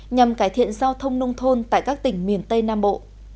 nhằm cải thiện giao thông nông thôn tại các tỉnh miền tây nam bộ